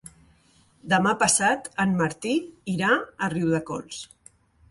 Demà passat en Martí irà a Riudecols.